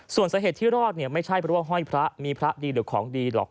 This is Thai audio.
ส่วนสาเหตุที่รอดเนี่ยไม่ใช่เพราะว่าห้อยพระมีพระดีหรือของดีหรอก